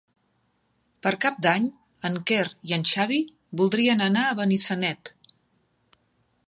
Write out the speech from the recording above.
Per Cap d'Any en Quer i en Xavi voldrien anar a Benissanet.